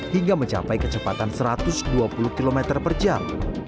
hingga mencapai kecepatan satu ratus dua puluh km per jam